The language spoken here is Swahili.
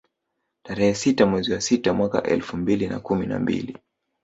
Tarehe sita mwezi wa sita mwaka elfu mbili na kumi na mbili